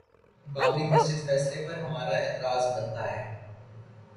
بابری مسجد فیصلے پر ہمارا اعتراض بنتا ہے؟